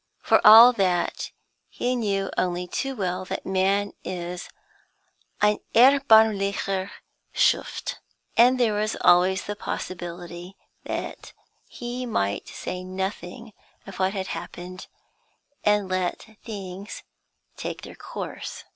For all that, he knew only too well that man is "ein erbarmlicher Schuft," and there was always the possibility that he might say nothing of what had happened, and let things take their course.